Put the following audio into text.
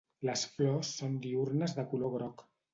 Les flors són diürnes de color groc.